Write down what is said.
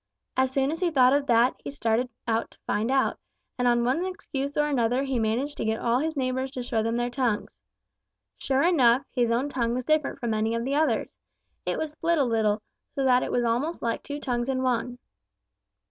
As soon as he thought of that, he started out to find out, and on one excuse or another he managed to get all his neighbors to show him their tongues. Sure enough, his own tongue was different from any of the others. It was split a little, so that it was almost like two tongues in one.